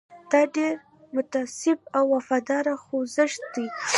دا ډېر متعصب او وفادار خوځښت دی.